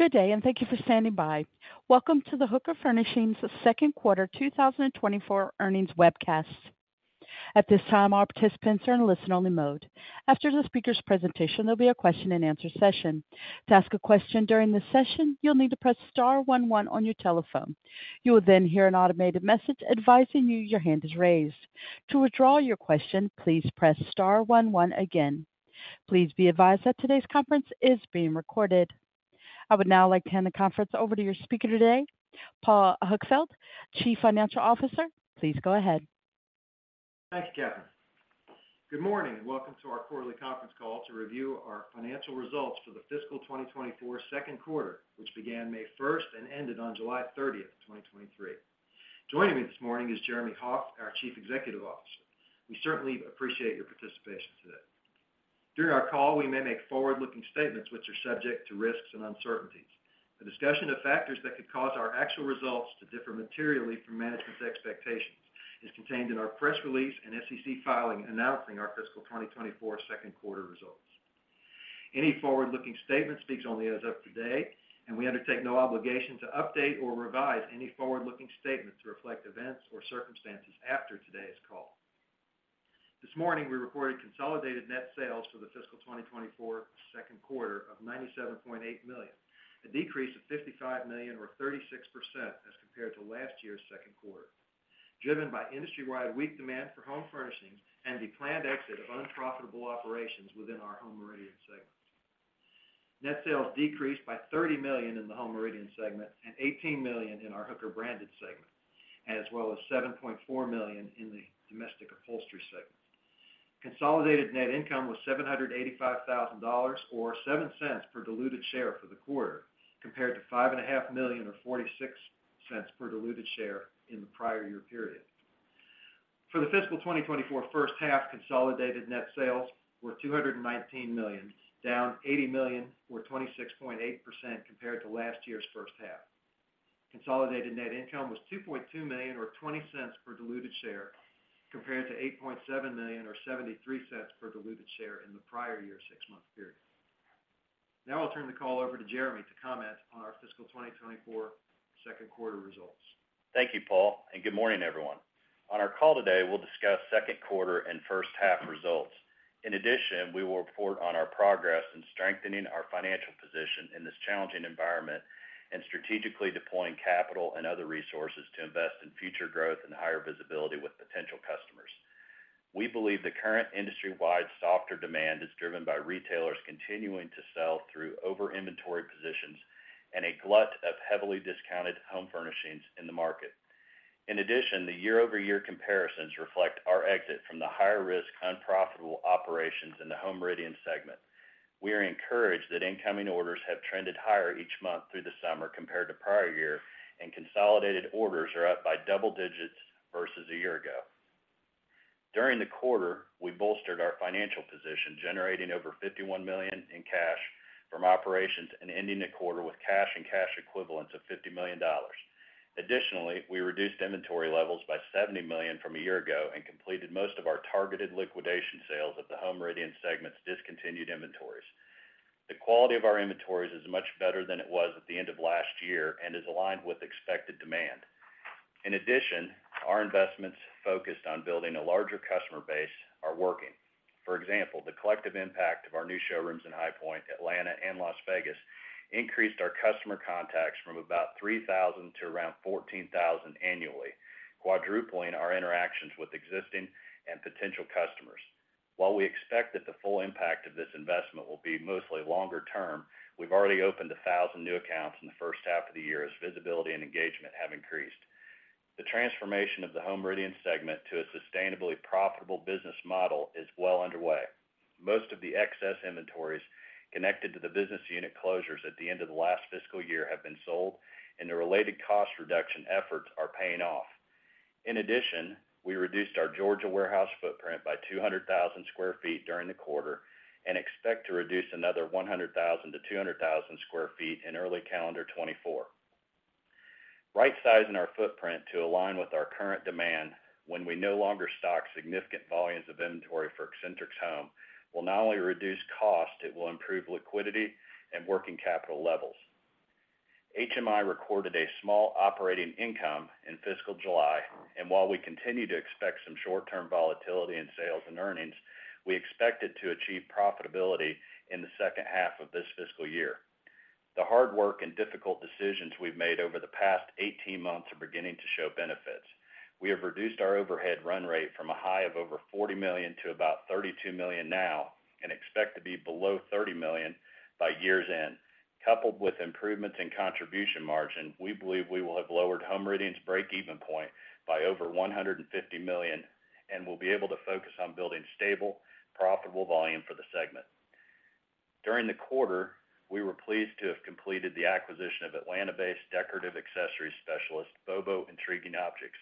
Good day, and thank you for standing by. Welcome to the Hooker Furnishings Second Quarter 2024 Earnings Webcast. At this time, all participants are in listen-only mode. After the speaker's presentation, there'll be a Q&A session. To ask a question during this session, you'll need to press star one one on your telephone. You will then hear an automated message advising you that your hand is raised. To withdraw your question, please press star one one again. Please be advised that today's conference is being recorded. I would now like to hand the conference over to your speaker today, Paul Huckfeldt, Chief Financial Officer. Please go ahead. Thanks, Catherine. Good morning, and welcome to our quarterly conference call to review our financial results for the fiscal 2024 second quarter, which began May 1st and ended on July 30th, 2023. Joining me this morning is Jeremy Hoff, our Chief Executive Officer. We certainly appreciate your participation today. During our call, we may make forward-looking statements which are subject to risks and uncertainties. A discussion of factors that could cause our actual results to differ materially from management's expectations is contained in our press release and SEC filing, announcing our fiscal 2024 second quarter results. Any forward-looking statement speaks only as of today, and we undertake no obligation to update or revise any forward-looking statements to reflect events or circumstances after today's call. This morning, we reported consolidated net sales for the fiscal 2024 second quarter of $97.8 million, a decrease of $55 million or 36% as compared to last year's second quarter, driven by industry-wide weak demand for home furnishings and the planned exit of unprofitable operations within our Home Meridian segment. Net sales decreased by $30 million in the Home Meridian segment and $18 million in our Hooker Branded segment, as well as $7.4 million in the Domestic Upholstery segment. Consolidated net income was $785,000, or $0.07 per diluted share for the quarter, compared to $5.5 million, or $0.46 per diluted share in the prior year period. For the fiscal 2024 first half, consolidated net sales were $219 million, down $80 million, or 26.8% compared to last year's first half. Consolidated net income was $2.2 million, or $0.20 per diluted share, compared to $8.7 million or $0.73 per diluted share in the prior year six-month period. Now I'll turn the call over to Jeremy to comment on our fiscal 2024 second quarter results. Thank you, Paul, and good morning, everyone. On our call today, we'll discuss second quarter and first half results. In addition, we will report on our progress in strengthening our financial position in this challenging environment and strategically deploying capital and other resources to invest in future growth and higher visibility with potential customers. We believe the current industry-wide softer demand is driven by retailers continuing to sell through over-inventory positions and a glut of heavily discounted home furnishings in the market. In addition, the year-over-year comparisons reflect our exit from the higher-risk, unprofitable operations in the Home Meridian segment. We are encouraged that incoming orders have trended higher each month through the summer compared to prior year, and consolidated orders are up by double digits versus a year ago. During the quarter, we bolstered our financial position, generating over $51 million in cash from operations and ending the quarter with cash and cash equivalents of $50 million. Additionally, we reduced inventory levels by $70 million from a year ago and completed most of our targeted liquidation sales of the Home Meridian segment's discontinued inventories. The quality of our inventories is much better than it was at the end of last year and is aligned with expected demand. In addition, our investments focused on building a larger customer base are working. For example, the collective impact of our new showrooms in High Point, Atlanta, and Las Vegas increased our customer contacts from about 3,000 to around 14,000 annually, quadrupling our interactions with existing and potential customers. While we expect that the full impact of this investment will be mostly longer term, we've already opened 1,000 new accounts in the first half of the year as visibility and engagement have increased. The transformation of the Home Meridian segment to a sustainably profitable business model is well underway. Most of the excess inventories connected to the business unit closures at the end of the last fiscal year have been sold, and the related cost reduction efforts are paying off. In addition, we reduced our Georgia warehouse footprint by 200,000 sq ft during the quarter and expect to reduce another 100,000-200,000 sq ft in early calendar 2024. Right-sizing our footprint to align with our current demand when we no longer stock significant volumes of inventory for Accentrics Home will not only reduce cost, it will improve liquidity and working capital levels. HMI recorded a small operating income in fiscal July, and while we continue to expect some short-term volatility in sales and earnings, we expect it to achieve profitability in the second half of this fiscal year. The hard work and difficult decisions we've made over the past 18 months are beginning to show benefits. We have reduced our overhead run rate from a high of over $40 million to about $32 million now and expect to be below $30 million by year's end. Coupled with improvements in contribution margin, we believe we will have lowered Home Meridian's breakeven point by over $150 million and will be able to focus on building stable, profitable volume for the segment. During the quarter, we were pleased to have completed the acquisition of Atlanta-based decorative accessories specialist, BOBO Intriguing Objects.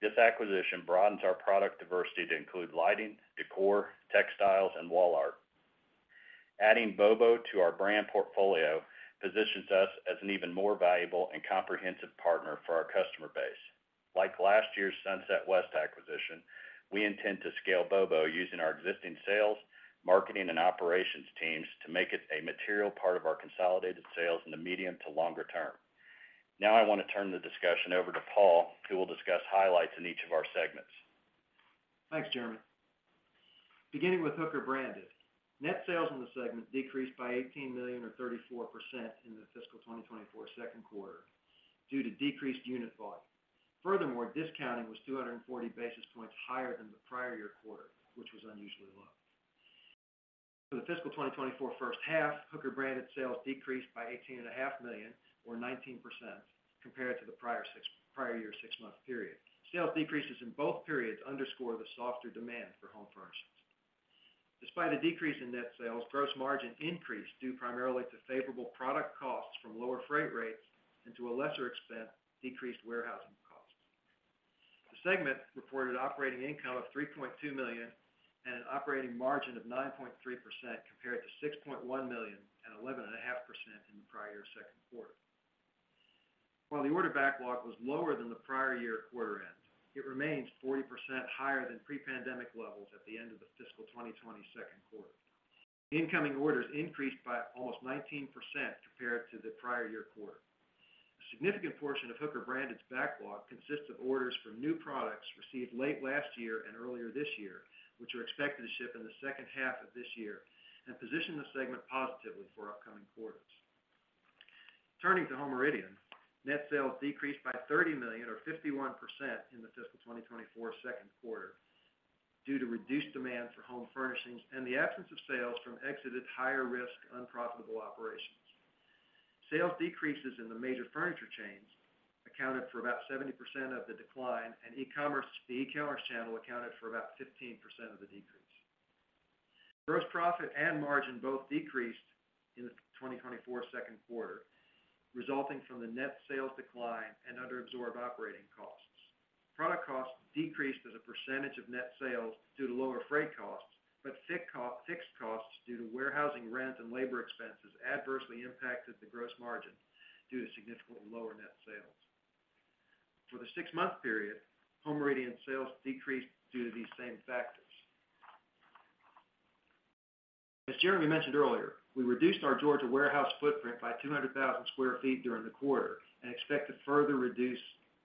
This acquisition broadens our product diversity to include lighting, decor, textiles, and wall art. Adding BOBO to our brand portfolio positions us as an even more valuable and comprehensive partner for our customer base. Like last year's Sunset West acquisition, we intend to scale BOBO using our existing sales, marketing, and operations teams to make it a material part of our consolidated sales in the medium to longer term. Now I wanna turn the discussion over to Paul, who will discuss highlights in each of our segments. Thanks, Jeremy. Beginning with Hooker Branded. Net sales in the segment decreased by $18 million, or 34% in the fiscal 2024 second quarter, due to decreased unit volume. Furthermore, discounting was 240 basis points higher than the prior year quarter, which was unusually low. For the fiscal 2024 first half, Hooker Branded sales decreased by $18.5 million, or 19% compared to the prior year six-month period. Sales decreases in both periods underscore the softer demand for home furnishings. Despite a decrease in net sales, gross margin increased due primarily to favorable product costs from lower freight rates, and to a lesser extent, decreased warehousing costs. The segment reported operating income of $3.2 million and an operating margin of 9.3%, compared to $6.1 million and 11.5% in the prior year's second quarter. While the order backlog was lower than the prior-year quarter end, it remains 40% higher than pre-pandemic levels at the end of the fiscal 2022 quarter. Incoming orders increased by almost 19% compared to the prior-year quarter. A significant portion of Hooker Branded's backlog consists of orders from new products received late last year and earlier this year, which are expected to ship in the second half of this year, and position the segment positively for upcoming quarters. Turning to Home Meridian, Net sales decreased by $30 million, or 51% in the fiscal 2024 second quarter due to reduced demand for home furnishings and the absence of sales from exited higher-risk, unprofitable operations. Sales decreases in the major furniture chains accounted for about 70% of the decline, and e-commerce, the e-commerce channel accounted for about 15% of the decrease. Gross profit and margin both decreased in the 2024 second quarter, resulting from the net sales decline and under-absorbed operating costs. Product costs decreased as a percentage of net sales due to lower freight costs, but fixed costs due to warehousing rent and labor expenses adversely impacted the gross margin due to significant lower net sales. For the six-month period, Home Meridian sales decreased due to these same factors. As Jeremy mentioned earlier, we reduced our Georgia warehouse footprint by 200,000 sq ft during the quarter and expect to further reduce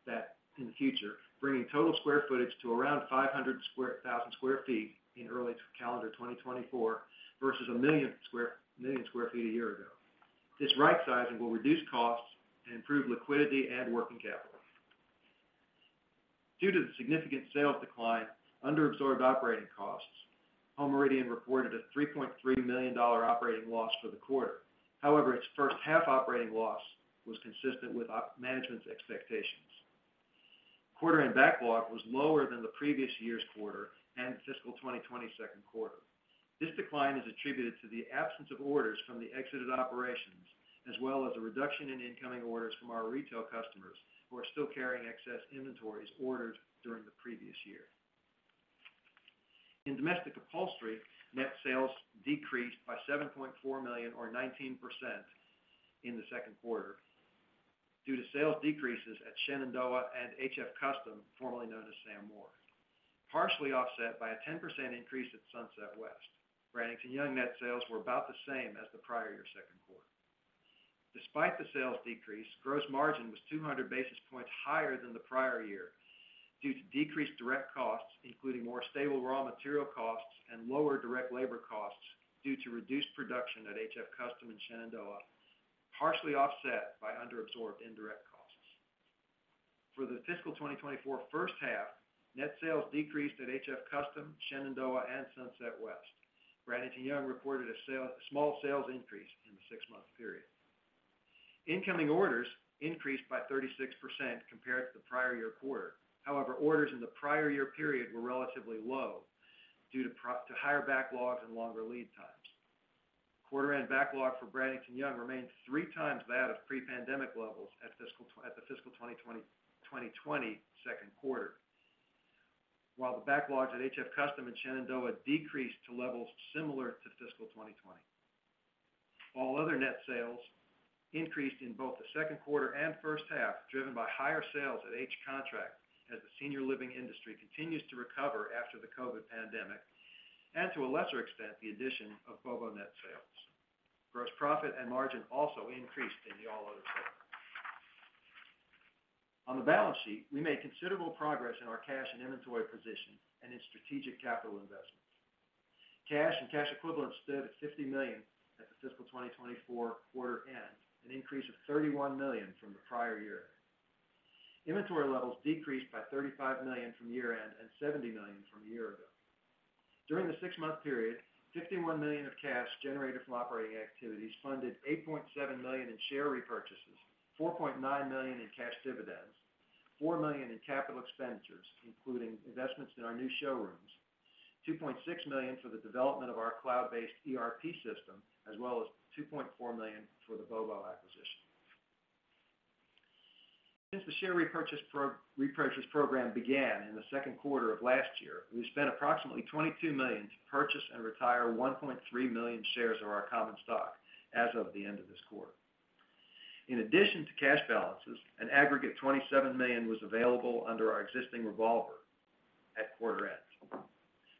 that in the future, bringing total square footage to around 500,000 sq ft in early calendar 2024, versus 1 million sq ft a year ago. This right-sizing will reduce costs and improve liquidity and working capital. Due to the significant sales decline, under-absorbed operating costs, Home Meridian reported a $3.3 million operating loss for the quarter. However, its first half operating loss was consistent with management's expectations. Quarter and backlog was lower than the previous year's quarter and fiscal 2022 quarter. This decline is attributed to the absence of orders from the exited operations, as well as a reduction in incoming orders from our retail customers, who are still carrying excess inventories ordered during the previous year. In domestic upholstery, net sales decreased by $7.4 million, or 19% in the second quarter due to sales decreases at Shenandoah and HF Custom, formerly known as Sam Moore. Partially offset by a 10% increase at Sunset West. Bradington-Young net sales were about the same as the prior year's second quarter. Despite the sales decrease, gross margin was 200 basis points higher than the prior year due to decreased direct costs, including more stable raw material costs and lower direct labor costs due to reduced production at HF Custom and Shenandoah, partially offset by under-absorbed indirect costs. For the fiscal 2024 first half, net sales decreased at HF Custom, Shenandoah, and Sunset West. Bradington-Young reported a small sales increase in the six-month period. Incoming orders increased by 36% compared to the prior year quarter. However, orders in the prior year period were relatively low due to higher backlogs and longer lead times. Quarter and backlog for Bradington-Young remains three times that of pre-pandemic levels at the fiscal 2020 second quarter. While the backlogs at HF Custom and Shenandoah decreased to levels similar to fiscal 2020. All other net sales increased in both the second quarter and first half, driven by higher sales at H Contract, as the senior living industry continues to recover after the COVID pandemic, and to a lesser extent, the addition of BOBO net sales. Gross profit and margin also increased in the all other sales. On the balance sheet, we made considerable progress in our cash and inventory position and in strategic capital investments. Cash and cash equivalents stood at $50 million at the fiscal 2024 quarter end, an increase of $31 million from the prior year. Inventory levels decreased by $35 million from year-end and $70 million from a year ago. During the six-month period, $51 million of cash generated from operating activities funded $8.7 million in share repurchases, $4.9 million in cash dividends, $4 million in capital expenditures, including investments in our new showrooms, $2.6 million for the development of our cloud-based ERP system, as well as $2.4 million for the BOBO acquisition. Since the share repurchase program began in the second quarter of last year, we've spent approximately $22 million to purchase and retire 1.3 million shares of our common stock as of the end of this quarter. In addition to cash balances, an aggregate $27 million was available under our existing revolver at quarter end.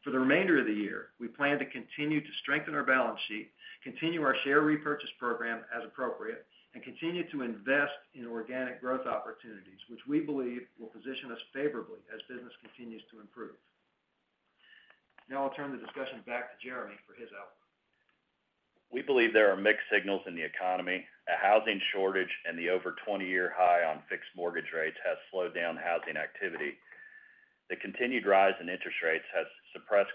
For the remainder of the year, we plan to continue to strengthen our balance sheet, continue our share repurchase program as appropriate, and continue to invest in organic growth opportunities, which we believe will position us favorably as business continues to improve. Now I'll turn the discussion back to Jeremy for his outlook. We believe there are mixed signals in the economy. A housing shortage and the over 20-year high on fixed mortgage rates has slowed down housing activity. The continued rise in interest rates has suppressed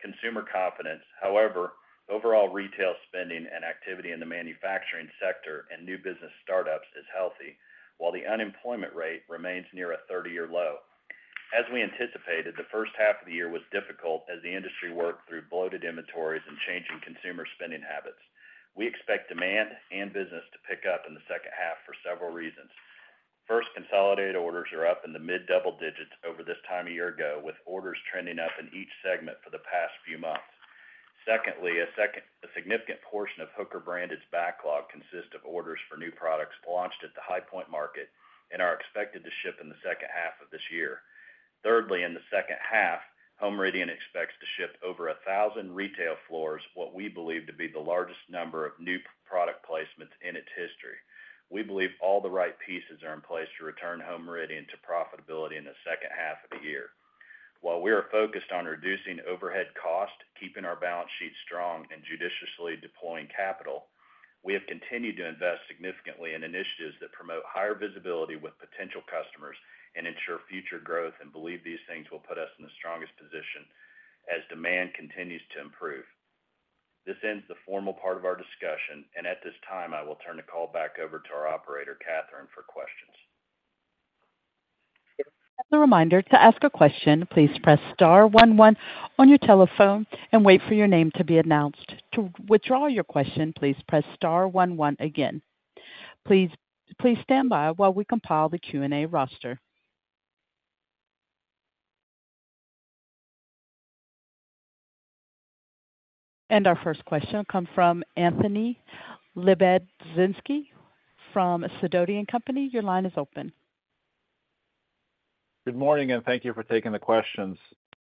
consumer confidence. However, overall retail spending and activity in the manufacturing sector and new business startups is healthy, while the unemployment rate remains near a 30-year low. As we anticipated, the first half of the year was difficult as the industry worked through bloated inventories and changing consumer spending habits. We expect demand and business to pick up in the second half for several reasons. First, consolidated orders are up in the mid-double digits over this time a year ago, with orders trending up in each segment for the past few months. Secondly, a significant portion of Hooker branded backlog consists of orders for new products launched at the High Point Market and are expected to ship in the second half of this year. Thirdly, in the second half, Home Meridian expects to ship over 1,000 retail floors, what we believe to be the largest number of new product placements in its history. We believe all the right pieces are in place to return Home Meridian to profitability in the second half of the year. While we are focused on reducing overhead costs, keeping our balance sheet strong and judiciously deploying capital, we have continued to invest significantly in initiatives that promote higher visibility with potential customers and ensure future growth, and believe these things will put us in the strongest position as demand continues to improve. This ends the formal part of our discussion, and at this time, I will turn the call back over to our operator, Catherine, for questions. As a reminder to ask a question please press star one one on your telephone and wait for your name to be announced. To withdraw your question, please press star one one again. Please, please stand by while we compile the Q&A roster. And our first question come from Anthony Lebiedzinski from Sidoti & Company. Your line is open. Good morning, and thank you for taking the questions. Good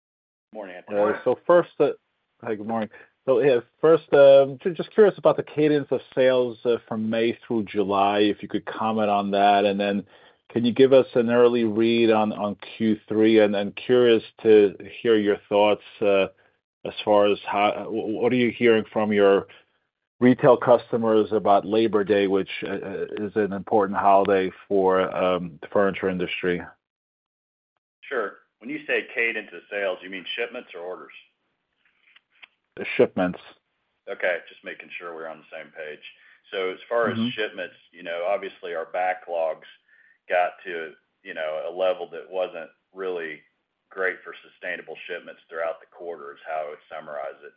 morning, Anthony. Hi, good morning. So, yeah, first, just curious about the cadence of sales from May through July, if you could comment on that. And then can you give us an early read on Q3? And then curious to hear your thoughts as far as what are you hearing from your retail customers about Labor Day, which is an important holiday for the furniture industry? Sure. When you say cadence of sales, you mean shipments or orders? The shipments. Okay, just making sure we're on the same page. Mm-hmm. So as far as shipments, you know, obviously, our backlogs got to, you know, a level that wasn't really great for sustainable shipments throughout the quarter, is how I would summarize it.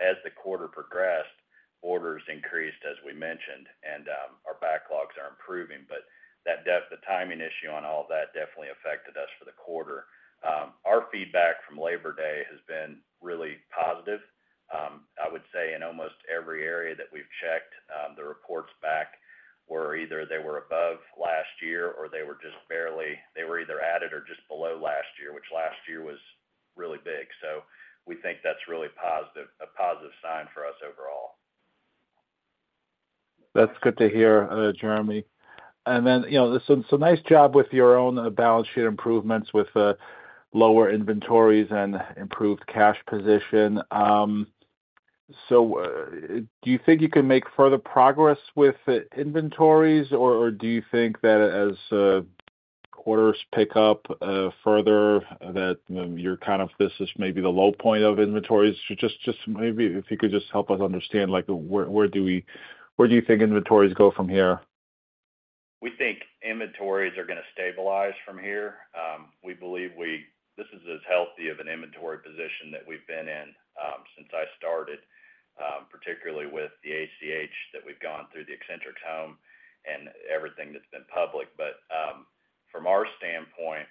As the quarter progressed, orders increased, as we mentioned, and, our backlogs are improving. But that definitely, the timing issue on all that definitely affected us for the quarter. Our feedback from Labor Day has been really positive. I would say in almost every area that we've checked, the reports back were either they were above last year or they were just barely, they were either at it or just below last year, which last year was really big. So we think that's really positive, a positive sign for us overall. That's good to hear, Jeremy. And then, you know, so, so nice job with your own balance sheet improvements with lower inventories and improved cash position. So, do you think you can make further progress with inventories or, or do you think that as quarters pick up, further that you're kind of this is maybe the low point of inventories? Just, just maybe if you could just help us understand, like, where, where do we, where do you think inventories go from here? We think inventories are gonna stabilize from here. We believe this is as healthy of an inventory position that we've been in since I started, particularly with the ACH, that we've gone through the Accentrics Home and everything that's been public. But from our standpoint,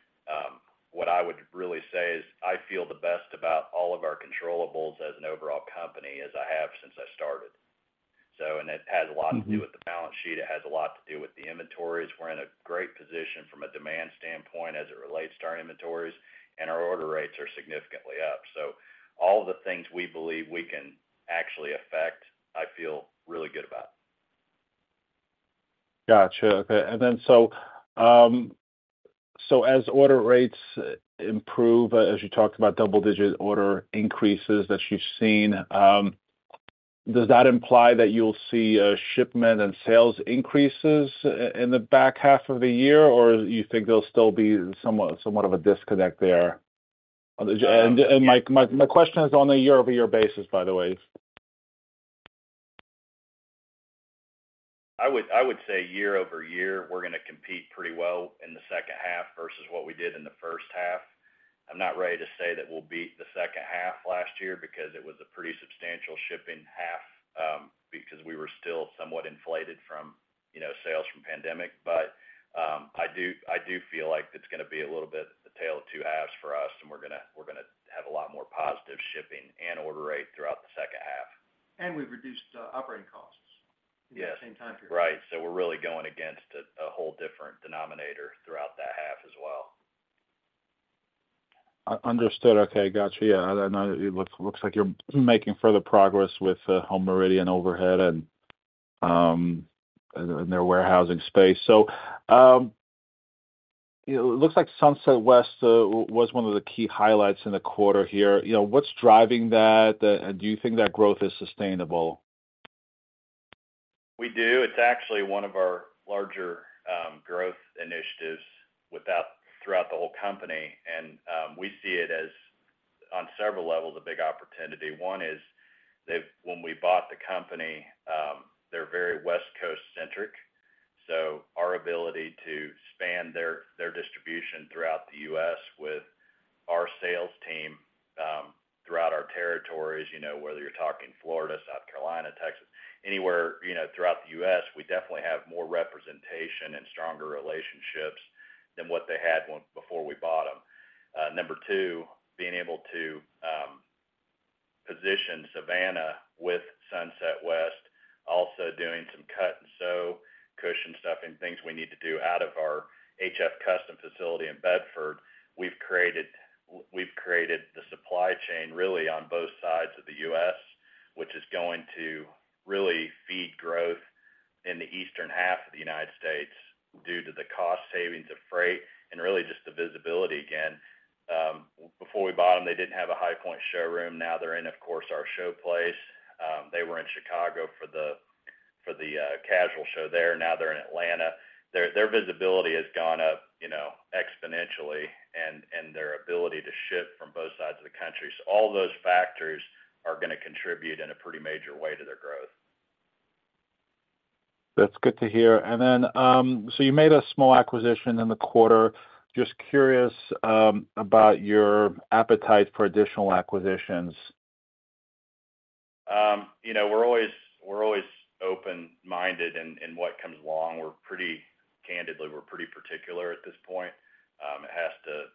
what I would really say is, I feel the best about all of our controllables as an overall company, as I have since I started. So, and it has a lot- Mm-hmm... to do with the balance sheet. It has a lot to do with the inventories. We're in a great position from a demand standpoint as it relates to our inventories, and our order rates are significantly up. So all the things we believe we can actually affect, I feel really good about. Gotcha. Okay. And then so, so as order rates improve, as you talked about double-digit order increases that you've seen, does that imply that you'll see shipment and sales increases in the back half of the year, or you think there'll still be somewhat of a disconnect there? And my question is on a year-over-year basis, by the way. I would, I would say year-over-year, we're gonna compete pretty well in the second half versus what we did in the first half. I'm not ready to say that we'll beat the second half last year, because it was a pretty substantial shipping half, because we were still somewhat inflated from, you know, sales from pandemic. But, I do, I do feel like it's gonna be a little bit the tale of two halves for us, and we're gonna, we're gonna have a lot more positive shipping and order rate throughout the second half. We've reduced operating costs.... Yes, right. So we're really going against a whole different denominator throughout that half as well. Understood. Okay, got you. Yeah, I know it looks, looks like you're making further progress with the Home Meridian Overhead and their warehousing space. So, it looks like Sunset West was one of the key highlights in the quarter here. You know, what's driving that? And do you think that growth is sustainable? We do. It's actually one of our larger growth initiatives throughout the whole company, and we see it as on several levels, a big opportunity. One is that when we bought the company, they're very West Coast centric, so our ability to span their distribution throughout the U.S. with our sales team throughout our territories, you know, whether you're talking Florida, South Carolina, Texas, anywhere, you know, throughout the U.S., we definitely have more representation and stronger relationships than what they had when before we bought them. Number two, being able to position Savannah with Sunset West, also doing some cut and sew, cushion stuffing, things we need to do out of our HF Custom facility in Bedford. We've created, we've created the supply chain, really, on both sides of the U.S., which is going to really feed growth in the eastern half of the United States due to the cost savings of freight and really just the visibility again. Before we bought them, they didn't have a High Point showroom. Now they're in, of course, our show place. They were in Chicago for the casual show there. Now they're in Atlanta. Their, their visibility has gone up, you know, exponentially and, and their ability to ship from both sides of the country. So all those factors are gonna contribute in a pretty major way to their growth. That's good to hear. And then, so you made a small acquisition in the quarter. Just curious, about your appetite for additional acquisitions. You know, we're always, we're always open-minded in what comes along. We're pretty candidly, we're pretty particular at this point. It has to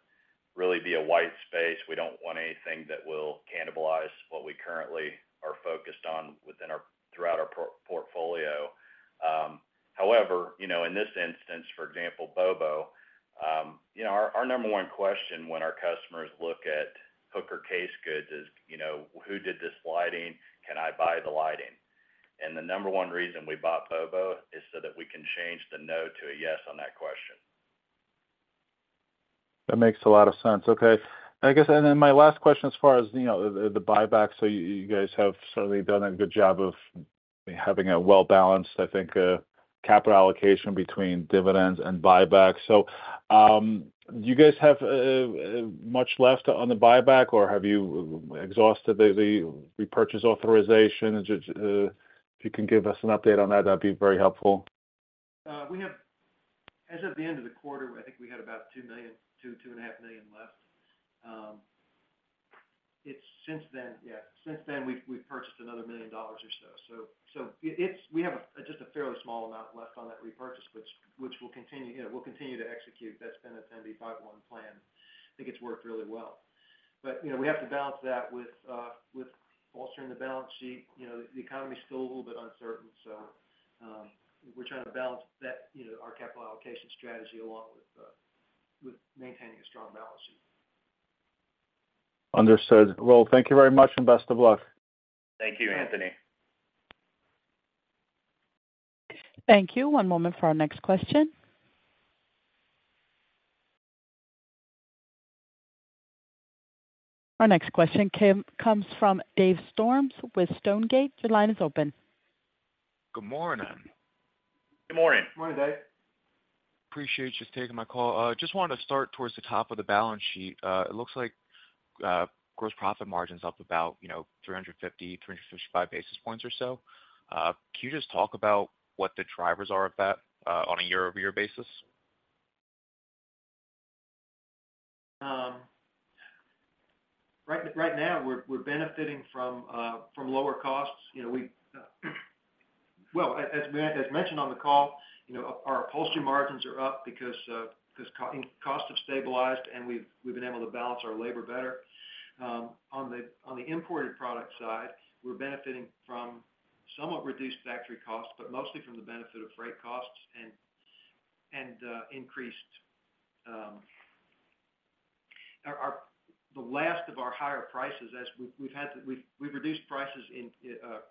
really be a wide space. We don't want anything that will cannibalize what we currently are focused on within our portfolio. However, you know, in this instance, for example, Bobo, you know, our number one question when our customers look at Hooker casegoods is, you know, "Who did this lighting? Can I buy the lighting?" And the number one reason we bought Bobo is so that we can change the no to a yes on that question. That makes a lot of sense. Okay, I guess, and then my last question, as far as, you know, the buyback, so you guys have certainly done a good job of having a well-balanced, I think, capital allocation between dividends and buybacks. So, do you guys have much left on the buyback, or have you exhausted the repurchase authorization? If you can give us an update on that, that'd be very helpful. We have... As of the end of the quarter, I think we had about $2 million-$2.5 million left. It's since then, yeah, since then, we've purchased another $1 million or so. So, it's. We have just a fairly small amount left on that repurchase, which we'll continue, you know, we'll continue to execute. That's been a 10b5-1 plan. I think it's worked really well. But, you know, we have to balance that with, with bolstering the balance sheet. You know, the economy is still a little bit uncertain, so, we're trying to balance that, you know, our capital allocation strategy along with, with maintaining a strong balance sheet. Understood. Well, thank you very much and best of luck. Thank you, Anthony. Thank you. One moment for our next question. Our next question came, comes from Dave Storms with Stonegate. Your line is open. Good morning. Good morning. Good morning, Dave. Appreciate you taking my call. Just wanted to start towards the top of the balance sheet. It looks like gross profit margin is up about, you know, 350, 355 basis points or so. Can you just talk about what the drivers are of that on a year-over-year basis? Right now, we're benefiting from lower costs. You know, well, as mentioned on the call, you know, our upholstery margins are up because costs have stabilized, and we've been able to balance our labor better. On the imported product side, we're benefiting from somewhat reduced factory costs, but mostly from the benefit of freight costs and increased our. The last of our higher prices, as we've had to, we've reduced prices in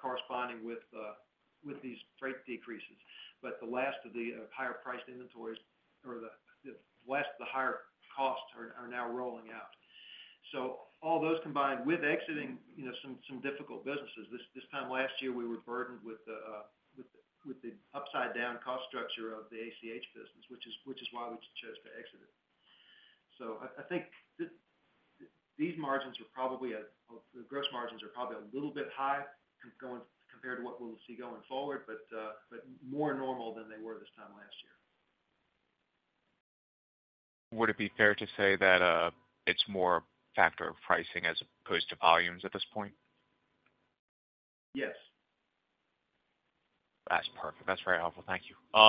corresponding with these freight decreases. But the last of the higher priced inventories or the last of the higher costs are now rolling out. So all those combined with exiting, you know, some difficult businesses. This time last year, we were burdened with the upside down cost structure of the ACH business, which is why we chose to exit it. So I think these margins are probably at the gross margins are probably a little bit high compared to what we'll see going forward, but more normal than they were this time last year. Would it be fair to say that, it's more a factor of pricing as opposed to volumes at this point? Yes. That's perfect. That's very helpful. Thank you.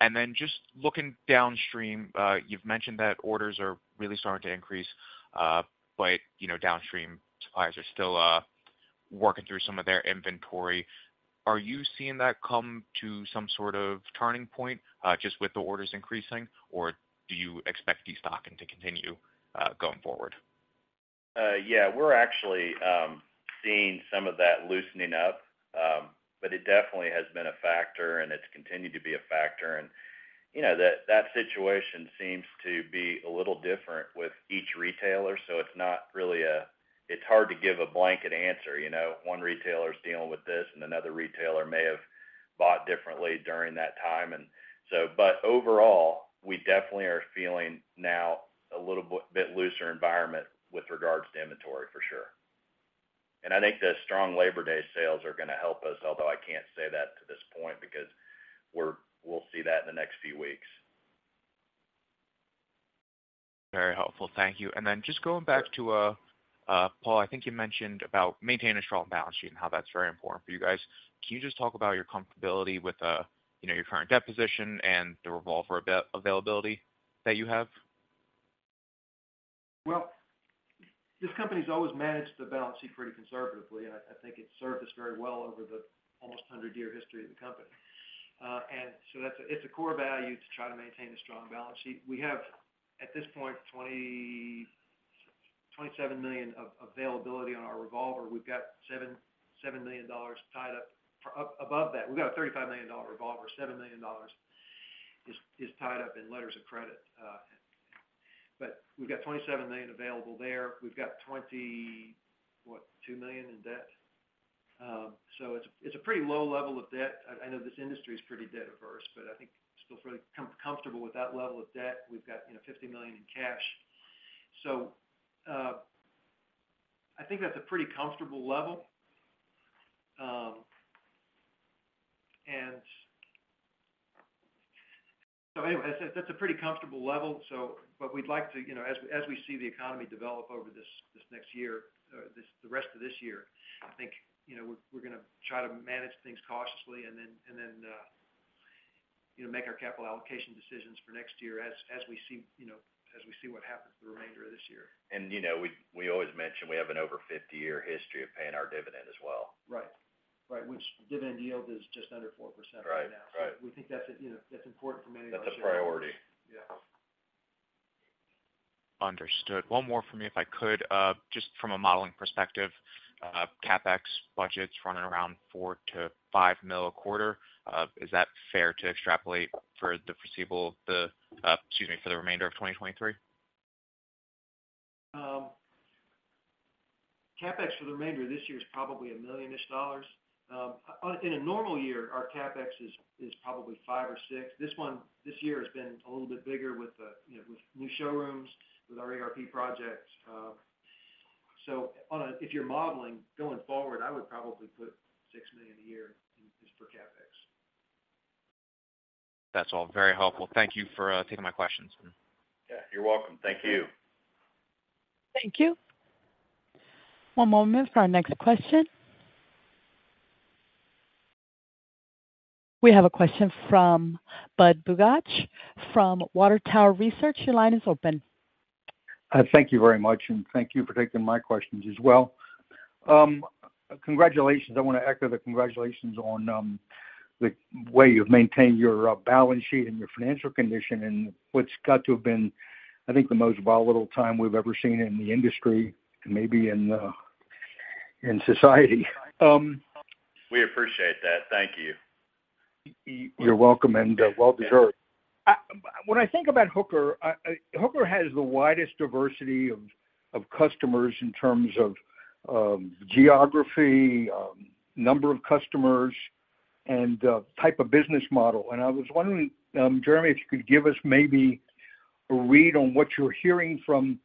And then just looking downstream, you've mentioned that orders are really starting to increase, but, you know, downstream supplies are still working through some of their inventory, are you seeing that come to some sort of turning point, just with the orders increasing, or do you expect destocking to continue, going forward? Yeah, we're actually seeing some of that loosening up. But it definitely has been a factor, and it's continued to be a factor. You know, that situation seems to be a little different with each retailer, so it's not really a. It's hard to give a blanket answer, you know. One retailer is dealing with this, and another retailer may have bought differently during that time. So, but overall, we definitely are feeling now a little bit looser environment with regards to inventory, for sure. I think the strong Labor Day sales are going to help us, although I can't say that to this point, because we're. We'll see that in the next few weeks. Very helpful. Thank you. And then just going back to, Paul, I think you mentioned about maintaining a strong balance sheet and how that's very important for you guys. Can you just talk about your comfortability with, you know, your current debt position and the revolver availability that you have? Well, this company's always managed the balance sheet pretty conservatively, and I think it served us very well over the almost 100-year history of the company. And so that's a core value to try to maintain a strong balance sheet. We have, at this point, $27 million of availability on our revolver. We've got $7 million tied up above that. We've got a $35 million revolver. $7 million is tied up in letters of credit. But we've got $27 million available there. We've got $22 million in debt? So it's a pretty low level of debt. I know this industry is pretty debt averse, but I think still pretty comfortable with that level of debt. We've got, you know, $50 million in cash. So I think that's a pretty comfortable level. And so anyway, that's a pretty comfortable level, so but we'd like to, you know, as we see the economy develop over this next year, the rest of this year, I think, you know, we're going to try to manage things cautiously and then, you know, make our capital allocation decisions for next year as we see, you know, as we see what happens the remainder of this year. You know, we always mention we have an over 50-year history of paying our dividend as well. Right. Right, which dividend yield is just under 4% right now. Right. Right. We think that's, you know, that's important for many of us. That's a priority. Yeah. Understood. One more for me, if I could. Just from a modeling perspective, CapEx budgets running around $4 million-$5 million a quarter. Is that fair to extrapolate for the foreseeable, the, excuse me, for the remainder of 2023? CapEx for the remainder of this year is probably $1 million-ish. In a normal year, our CapEx is probably $5 million or $6 million. This one, this year has been a little bit bigger with, you know, with new showrooms, with our ERP projects. So, if you're modeling, going forward, I would probably put $6 million a year in, just for CapEx. That's all very helpful. Thank you for taking my questions. Yeah, you're welcome. Thank you. Thank you. One moment for our next question. We have a question from Budd Bugatch from Water Tower Research. Your line is open. Thank you very much, and thank you for taking my questions as well. Congratulations. I want to echo the congratulations on the way you've maintained your balance sheet and your financial condition in what's got to have been, I think, the most volatile time we've ever seen in the industry, and maybe in society. We appreciate that. Thank you. You're welcome, and, well deserved. When I think about Hooker, Hooker has the widest diversity of, of customers in terms of, geography, number of customers, and, type of business model. And I was wondering, Jeremy, if you could give us maybe a read on what you're hearing from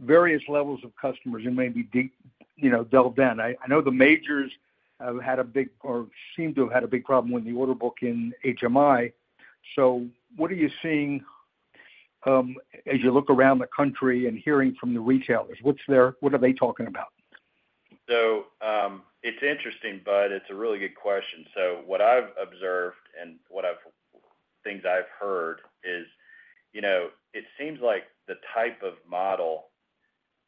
various levels of customers and maybe de- you know, delve in. I, I know the majors have had a big or seem to have had a big problem with the order book in HMI. So what are you seeing, as you look around the country and hearing from the retailers? What's their... What are they talking about? So, it's interesting, Budd, it's a really good question. So what I've observed and things I've heard is, you know, it seems like the type of model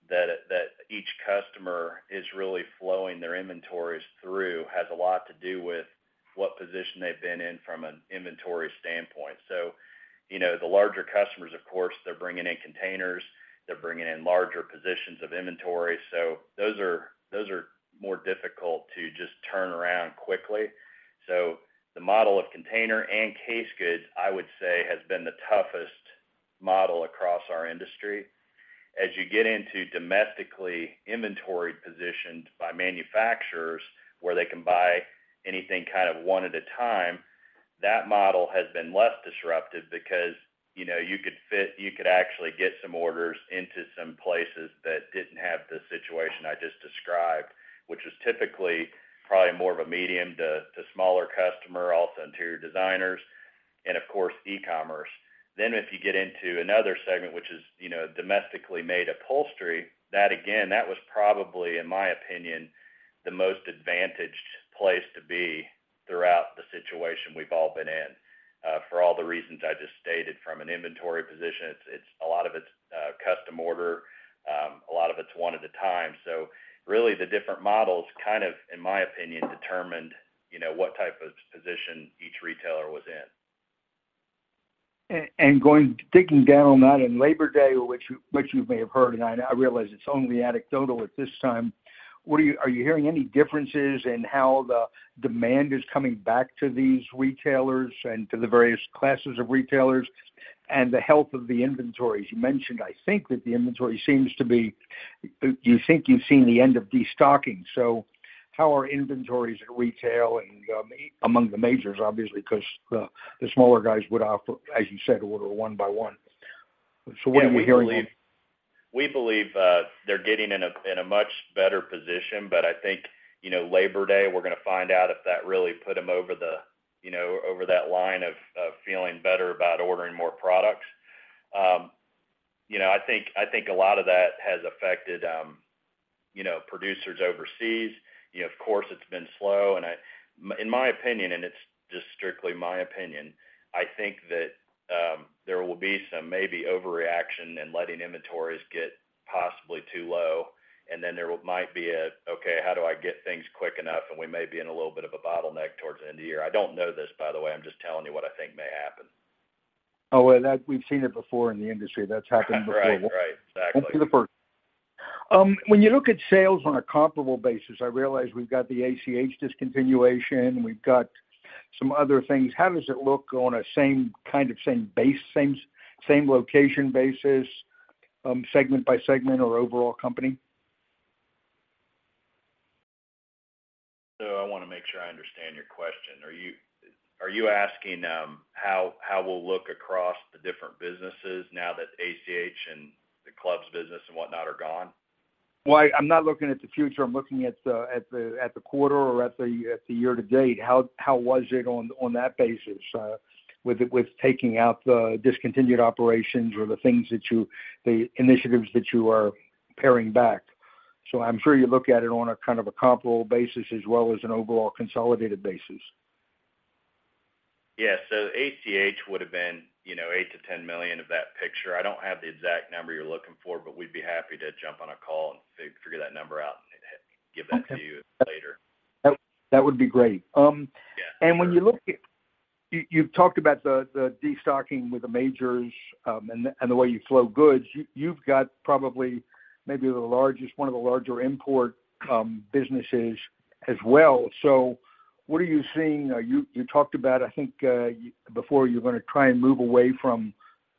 that each customer is really flowing their inventories through, has a lot to do with what position they've been in from an inventory standpoint. So you know, the larger customers, of course, they're bringing in containers, they're bringing in larger positions of inventory, so those are more difficult to just turn around quickly. So the model of container and case goods, I would say, has been the toughest model across our industry. As you get into domestically inventoried positioned by manufacturers, where they can buy anything kind of one at a time, that model has been less disruptive because, you know, you could fit—you could actually get some orders into some places that didn't have the situation I just described, which is typically probably more of a medium to smaller customer, also interior designers, and of course, e-commerce. Then, if you get into another segment which is, you know, domestically made upholstery, that again, that was probably, in my opinion, the most advantaged place to be... throughout the situation we've all been in, for all the reasons I just stated from an inventory position, it's a lot of it's custom order, a lot of it's one at a time. So really, the different models kind of, in my opinion, determined, you know, what type of position each retailer was in. And going, digging down on that in Labor Day, which you may have heard, and I realize it's only anecdotal at this time. What do you? Are you hearing any differences in how the demand is coming back to these retailers and to the various classes of retailers and the health of the inventories? You mentioned, I think, that the inventory seems to be. Do you think you've seen the end of destocking? So how are inventories at retail and, among the majors, obviously, because the smaller guys would have, as you said, order one by one. So what are we hearing on? We believe, they're getting in a, in a much better position, but I think, you know, Labor Day, we're going to find out if that really put them over the, you know, over that line of, of feeling better about ordering more products. You know, I think, I think a lot of that has affected, you know, producers overseas. You know, of course, it's been slow, and in my opinion, and it's just strictly my opinion, I think that, there will be some maybe overreaction in letting inventories get possibly too low, and then there might be a, "Okay, how do I get things quick enough?" And we may be in a little bit of a bottleneck towards the end of the year. I don't know this, by the way, I'm just telling you what I think may happen. Oh, well, that we've seen it before in the industry. That's happened before. Right. Right. Exactly. Won't be the first. When you look at sales on a comparable basis, I realize we've got the ACH discontinuation, we've got some other things. How does it look on a same kind of, same base, same location basis, segment by segment or overall company? I want to make sure I understand your question. Are you asking how we'll look across the different businesses now that ACH and the clubs business and whatnot are gone? Well, I'm not looking at the future, I'm looking at the quarter or at the year to date. How was it on that basis, with taking out the discontinued operations or the things that you, the initiatives that you are paring back? So I'm sure you look at it on a kind of a comparable basis as well as an overall consolidated basis. Yes. So ACH would have been, you know, $8 million-$10 million of that picture. I don't have the exact number you're looking for, but we'd be happy to jump on a call and figure that number out and give that to you later. That would be great. Yeah. And when you look at. You, you've talked about the, the destocking with the majors, and the, and the way you flow goods, you've got probably maybe the largest, one of the larger import, businesses as well. So what are you seeing? You, you talked about, I think, before, you're going to try and move away from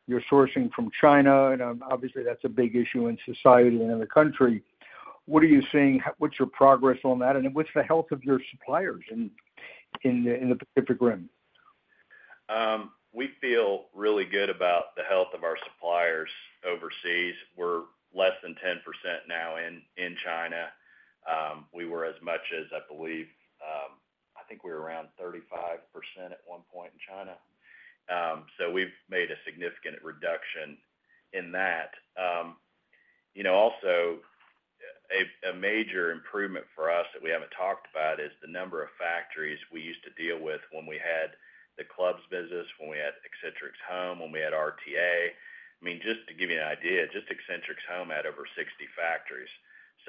your sourcing from China, and, obviously, that's a big issue in society and in the country. What are you seeing? What's your progress on that, and what's the health of your suppliers in the Pacific Rim? We feel really good about the health of our suppliers overseas. We're less than 10% now in China. We were as much as, I believe, I think we were around 35% at one point in China. So we've made a significant reduction in that. You know, also, a major improvement for us that we haven't talked about is the number of factories we used to deal with when we had the clubs business, when we had Accentrics Home, when we had RTA. I mean, just to give you an idea, just Accentrics Home had over 60 factories.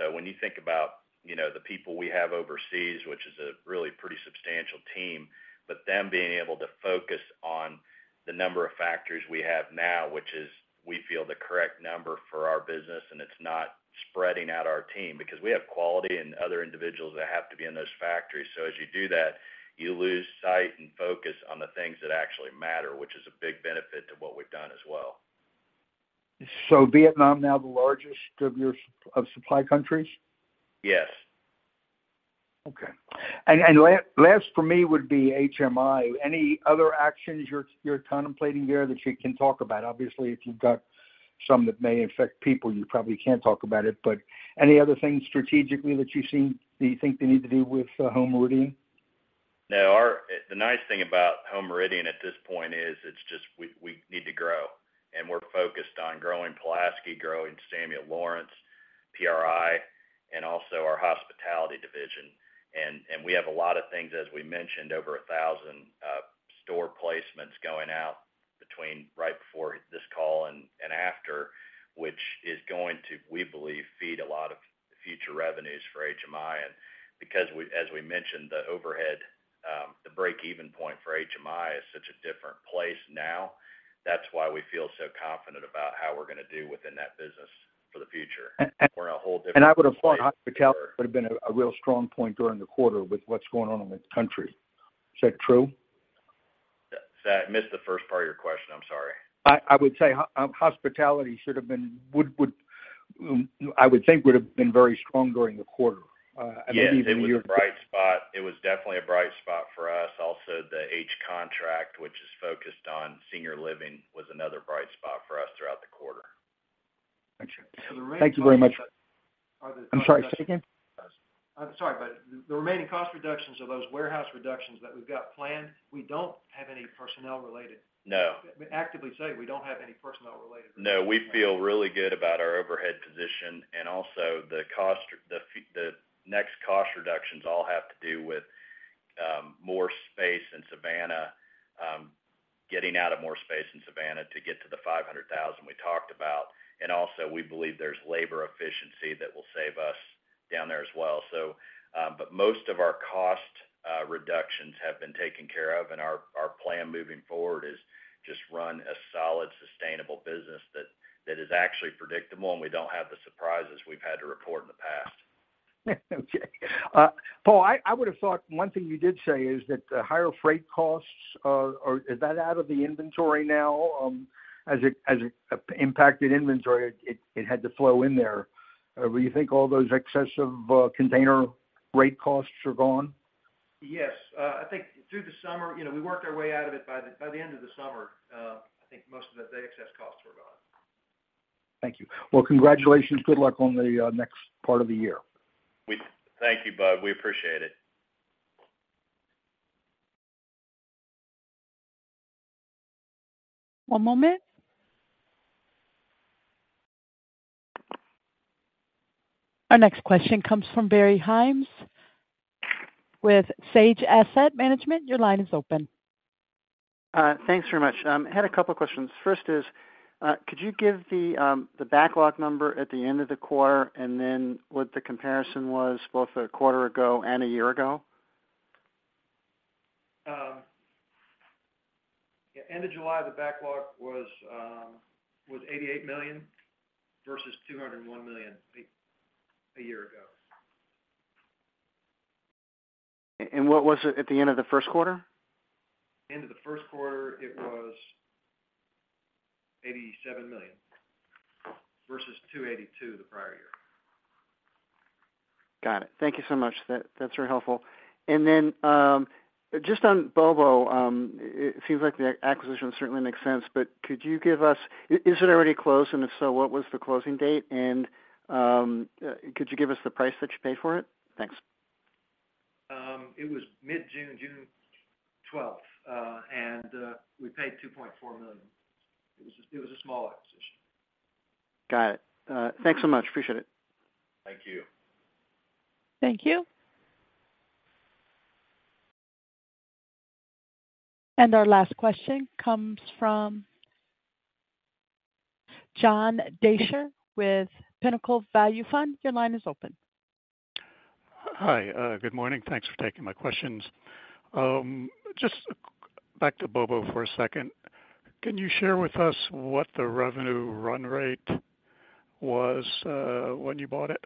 So when you think about, you know, the people we have overseas, which is a really pretty substantial team, but them being able to focus on the number of factories we have now, which is, we feel, the correct number for our business, and it's not spreading out our team. Because we have quality and other individuals that have to be in those factories. So as you do that, you lose sight and focus on the things that actually matter, which is a big benefit to what we've done as well. So Vietnam now the largest of your supply countries? Yes. Okay. And last for me would be HMI. Any other actions you're contemplating there that you can talk about? Obviously, if you've got some that may affect people, you probably can't talk about it, but any other things strategically that you see that you think they need to do with the Home Meridian? No, our. The nice thing about Home Meridian at this point is, it's just we need to grow, and we're focused on growing Pulaski, growing Samuel Lawrence, PRI and also our hospitality division. And we have a lot of things, as we mentioned, over 1,000 store placements going out between right before this call and after, which is going to, we believe, feed a lot of future revenues for HMI. And because we, as we mentioned, the overhead, the break-even point for HMI is such a different place now. That's why we feel so confident about how we're going to do within that business for the future. We're in a whole different- I would have thought hospitality would have been a real strong point during the quarter with what's going on in the country. Is that true? I missed the first part of your question. I'm sorry. I would say hospitality should have been very strong during the quarter, I believe- Yeah, it was a bright spot. It was definitely a bright spot for us. Also, the H Contract, which is focused on senior living, was another bright spot for us throughout the quarter. Thank you. Thank you very much. I'm sorry, say again? I'm sorry, but the remaining cost reductions are those warehouse reductions that we've got planned. We don't have any personnel related- No. Actually say we don't have any personnel related- No, we feel really good about our overhead position and also the next cost reductions all have to do with more space in Savannah, getting out of more space in Savannah to get to the 500,000 we talked about. And also, we believe there's labor efficiency that will save us down there as well. So, but most of our cost reductions have been taken care of, and our plan moving forward is just run a solid, sustainable business that is actually predictable, and we don't have the surprises we've had to report in the past. Okay. Paul, I would have thought one thing you did say is that the higher freight costs are—is that out of the inventory now, as it impacted inventory, it had to flow in there. Do you think all those excessive container rate costs are gone? Yes, I think through the summer, you know, we worked our way out of it by the end of the summer. I think most of the excess costs were gone. Thank you. Well, congratulations. Good luck on the next part of the year. We thank you, Bud. We appreciate it. One moment. Our next question comes from Barry Haimes with Sage Asset Management. Your line is open. Thanks very much. I had a couple of questions. First is, could you give the, the backlog number at the end of the quarter, and then what the comparison was both a quarter ago and a year ago? End of July, the Backlog was $88 million, versus $201 million a year ago. What was it at the end of the first quarter? End of the first quarter, it was $87 million, versus $282 million the prior year. Got it. Thank you so much. That, that's very helpful. And then, just on BOBO, it seems like the acquisition certainly makes sense, but could you give us. Is it already closed? And if so, what was the closing date? And, could you give us the price that you paid for it? Thanks. It was mid-June, June 12, and we paid $2.4 million. It was a small acquisition. Got it. Thanks so much. Appreciate it. Thank you. Thank you. And our last question comes from John Deysher with Pinnacle Value Fund. Your line is open. Hi, good morning. Thanks for taking my questions. Just back to BOBO for a second. Can you share with us what the revenue run rate was, when you bought it?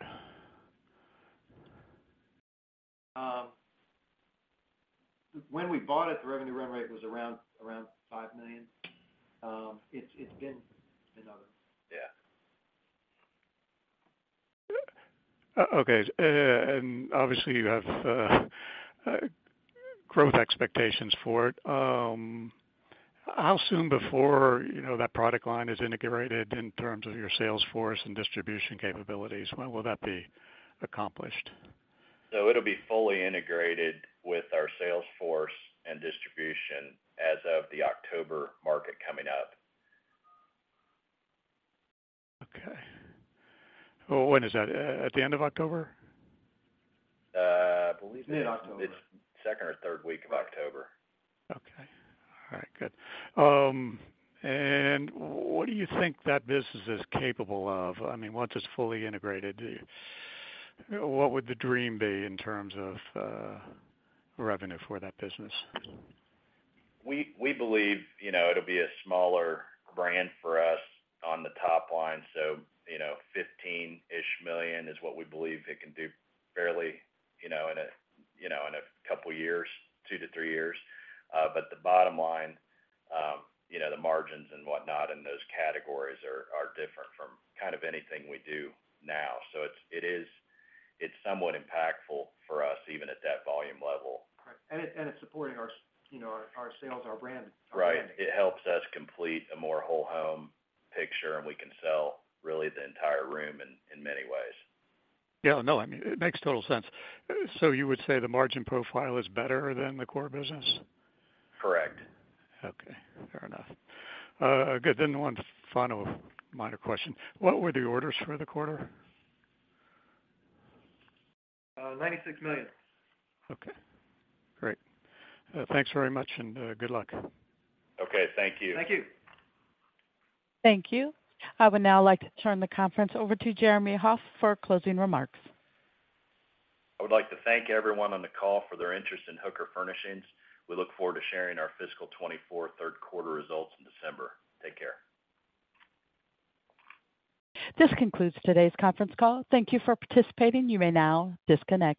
When we bought it, the revenue run rate was around $5 million. It's been, you know. Yeah. Okay. And obviously, you have growth expectations for it. How soon before, you know, that product line is integrated in terms of your sales force and distribution capabilities? When will that be accomplished? It'll be fully integrated with our sales force and distribution as of the October market coming up. Okay. Well, when is that? At the end of October? Believe me- Mid-October. It's second or third week of October. Okay. All right, good. And what do you think that business is capable of? I mean, once it's fully integrated, do you—what would the dream be in terms of revenue for that business? We believe, you know, it'll be a smaller brand for us on the top line. So, you know, $15 million-ish is what we believe it can do fairly, you know, in a couple of years, two to three years. But the bottom line, you know, the margins and whatnot in those categories are different from kind of anything we do now. So it's, it is, it's somewhat impactful for us, even at that volume level. Right. And it, and it's supporting our, you know, our sales, our brand. Right. It helps us complete a more whole home picture, and we can sell really the entire room in many ways. Yeah, no, I mean, it makes total sense. So you would say the margin profile is better than the core business? Correct. Okay, fair enough. Good. One final minor question: What were the orders for the quarter? $96 million. Okay, great. Thanks very much, and good luck. Okay. Thank you. Thank you. Thank you. I would now like to turn the conference over to Jeremy Hoff for closing remarks. I would like to thank everyone on the call for their interest in Hooker Furnishings. We look forward to sharing our fiscal 2024 third quarter results in December. Take care. This concludes today's conference call. Thank you for participating. You may now disconnect.